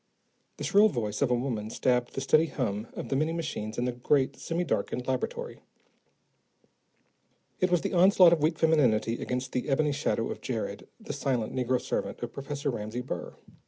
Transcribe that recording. The shrill voice of a woman stabbed the steady hum of the many machines in the great, semi darkened laboratory. It was the onslaught of weak femininity against the ebony shadow of Jared, the silent negro servant of Professor Ramsey Burr.